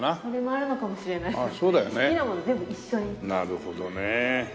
なるほどね。